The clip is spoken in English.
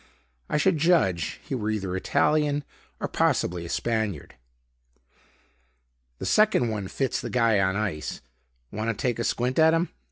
I should judge he were either an Italian or possibly a Spaniard." "The second one fits the guy on ice. Want to take a squint at him?"